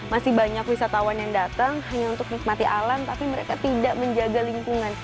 masih banyak wisatawan yang datang hanya untuk nikmati alam tapi mereka tidak menjaga lingkungan